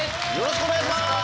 よろしくお願いします！